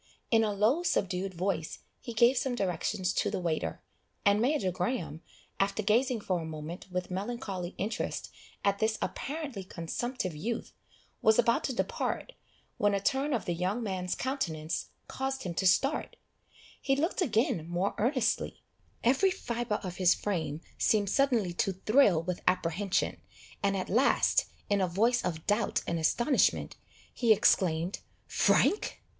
In a low subdued voice he gave some directions to the waiter, and Major Graham, after gazing for a moment with melancholy interest at this apparently consumptive youth, was about to depart, when a turn of the young man's countenance caused him to start; he looked again more earnestly every fibre of his frame seemed suddenly to thrill with apprehension, and at last, in a voice of doubt and astonishment, he exclaimed, "Frank!"